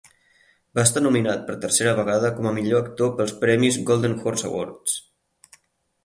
Va estar nominat per tercera vegada com a millor actor als premis Golden Horse Awards.